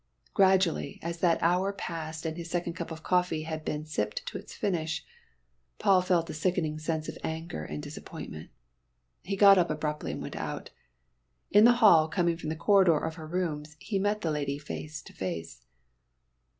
Gradually, as that hour passed and his second cup of coffee had been sipped to its finish, Paul felt a sickening sense of anger and disappointment. He got up abruptly and went out. In the hall, coming from the corridor of her rooms, he met the lady face to face.